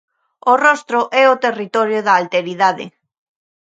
O rostro é o territorio da alteridade.